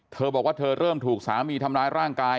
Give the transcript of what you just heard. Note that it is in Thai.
เธอบอกว่าเธอเริ่มถูกสามีทำร้ายร่างกาย